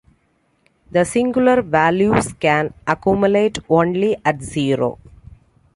The singular values can accumulate only at zero.